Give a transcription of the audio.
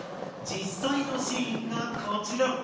実際のシーンがこちら。